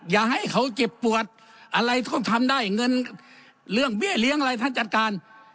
อย่าให้เขาเจ็บปวดอะไรต้องทำได้เงินเรื่องเบี้ยเลี้ยงอะไรท่านจัดการ